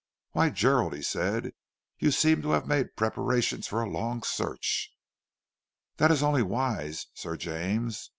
"Why, Gerald," he said, "you seem to have made preparations for a long search." "That is only wise, Sir James.